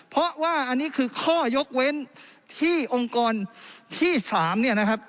เพราะว่าอันนี้คือข้อยกเว้นที่องค์กรที่๓เนี่ยนะครับ